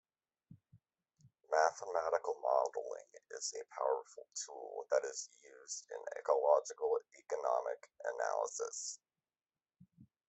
Mathematical modeling is a powerful tool that is used in ecological economic analysis.